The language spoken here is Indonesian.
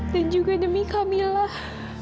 dan juga demi kamilah